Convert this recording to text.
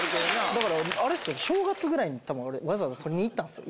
だからあれっすよ正月ぐらいに多分あれわざわざ取りにいったんすよ